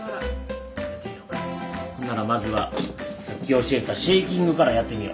ほんならまずはさっき教えたシェーキングからやってみよ。